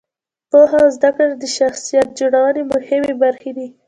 پوهه او زده کړه د شخصیت جوړونې مهمې برخې دي.